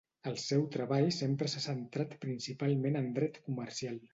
El seu treball sempre s'ha centrat principalment en el dret comercial.